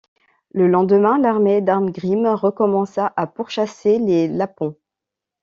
Le lendemain, l'armée d'Arngrim recommença à pourchasser les Lapons.